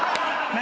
何？